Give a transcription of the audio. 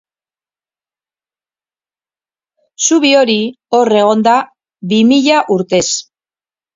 Zubi hori hor egon da bi mila urtez.